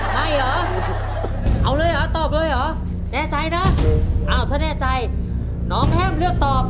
ไม่เหรอเอาเลยเหรอตอบเลยเหรอแน่ใจนะอ้าวถ้าแน่ใจน้องแห้มเลือกตอบ